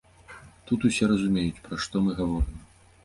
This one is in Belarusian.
Тут усе разумеюць, пра што мы гаворым.